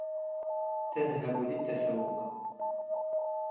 تذهب للتسوق.